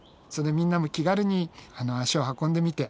みんなも気軽に足を運んでみて下さい。